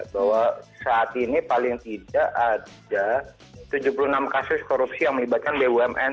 bahwa saat ini paling tidak ada tujuh puluh enam kasus korupsi yang melibatkan bumn